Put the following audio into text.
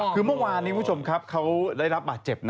คือเมื่อวานนี้คุณผู้ชมครับเขาได้รับบาดเจ็บนะ